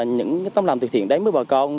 những tấm làm thực thiện đánh với bà con